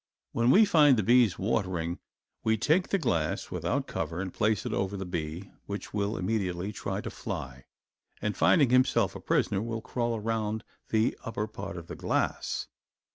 When we find the bees watering we take the glass, without cover, and place it over the bee, which will immediately try to fly and finding himself a prisoner, will crawl around the upper part of the glass.